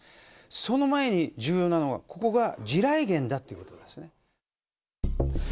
その前に重要なのは、ここが地雷原だということですね。